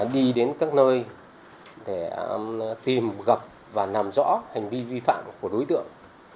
đi đến các nơi để tìm gặp và làm rõ hành vi vi phạm của đối tượng